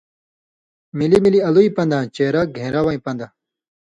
مِلیۡ مِلیۡ الُوئ پن٘داں چېرہ گھېن٘رہ وَیں پن٘دہۡ